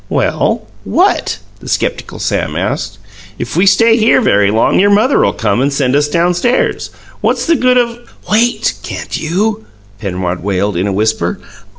"Well, what?" the skeptical Sam asked. "If we stay here very long your mother'll come and send us downstairs. What's the good of " "WAIT, can't you?" Penrod wailed, in a whisper.